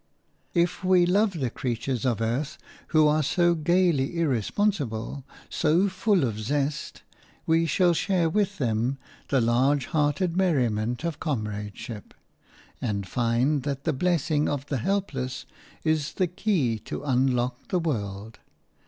If we love the creatures of earth, who are so gaily irresponsible, so full of zest, we shall share with them the large hearted merriment of comradeship, and find that the blessing of the helpless is the key to unlock the world.